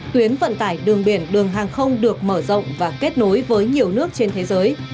tuyến vận tải đường biển đường hàng không được mở rộng và kết nối với nhiều nước trên thế giới